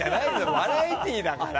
バラエティーだから。